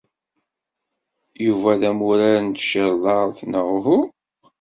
Yuba d amurar n tcirḍart, neɣ uhu?